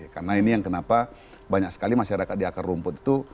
karena ini yang kenapa banyak sekali masyarakat di akar rumput itu